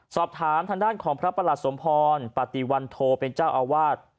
สอบถามทางด้านของพระประหลัดสมพรปฏิวันโทเป็นเจ้าอาวาส